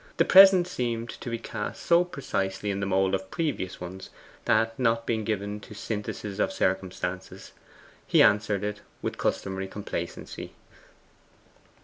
The present seemed to be cast so precisely in the mould of previous ones that, not being given to syntheses of circumstances, he answered it with customary complacency.